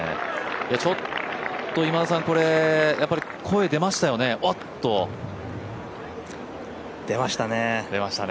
今田さん、声出ましたよね、おっと。出ましたね。